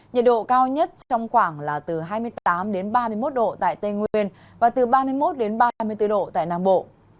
nhiệt độ cao nhất trong khoảng là từ hai mươi tám ba mươi một độ tại tây nguyên và từ ba mươi một ba mươi bốn độ tại nam bộ